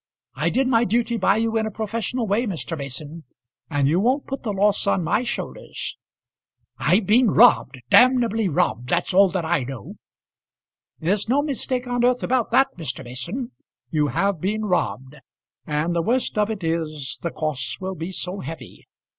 I did my duty by you in a professional way, Mr. Mason; and you won't put the loss on my shoulders." "I've been robbed; damnably robbed, that's all that I know." "There's no mistake on earth about that, Mr. Mason; you have been robbed; and the worst of it is, the costs will be so heavy!